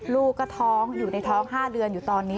ลูกก็ท้องอยู่ในท้อง๕เดือนอยู่ตอนนี้